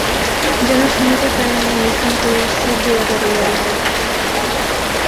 যেন শুনিতে পায় নাই, এই ভান করিয়া স্থির হইয়া দাঁড়াইয়া রহিল।